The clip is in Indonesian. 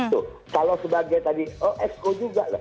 tuh kalau sebagai tadi oh exco juga lah